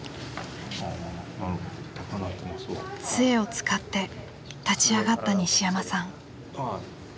杖を使って立ち上がった西山さん。